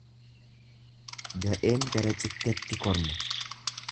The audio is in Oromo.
Gadheen gara cittetti korma.